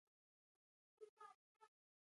او په ځانګړې توګه د کوټې او ادم خېلو درې